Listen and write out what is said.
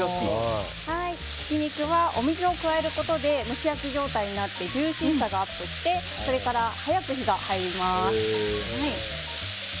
ひき肉はお水を加えることで蒸し焼き状態になってジューシーさがアップしてそれから早く火が入ります。